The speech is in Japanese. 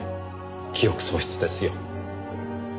記憶喪失ですよ。